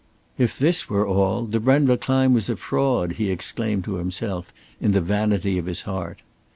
If this were all, the Brenva climb was a fraud, he exclaimed to himself in the vanity of his heart.